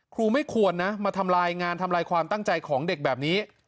ไม่ควรนะมาทำลายงานทำลายความตั้งใจของเด็กแบบนี้